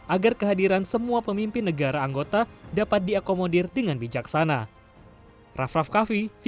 agar kehadiran semua pemimpin negara anggota dapat diakomodir dengan bijaksana